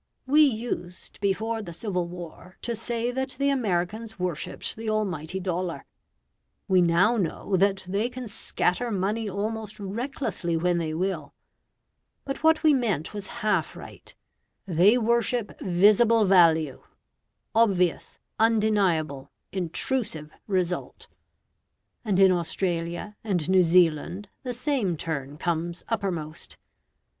We used before the civil war to say that the Americans worshipped the almighty dollar; we now know that they can scatter money almost recklessly when they will. But what we meant was half right they worship visible value: obvious, undeniable, intrusive result. And in Australia and New Zealand the same turn comes uppermost.